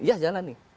ya jalan nih